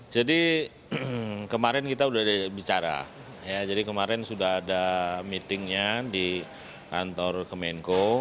jadi kemarin kita sudah bicara jadi kemarin sudah ada meetingnya di kantor kemenko